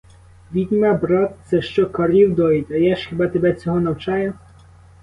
Відьма, брат, це, що корів доїть, а я ж хіба тебе цього навчаю?